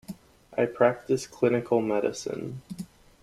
I practice clinical medicine.